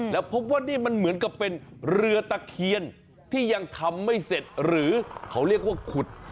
แล้วพบว่านี่มันเหมือนกับเป็นเรือตะเคียนที่ยังทำไม่เสร็จหรือเขาเรียกว่าขุด